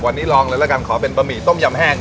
วันนี้ลองเลยขอเป็นบ่มิต้มยำแห้ง